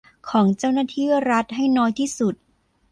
ของเจ้าหน้าที่รัฐให้น้อยที่สุด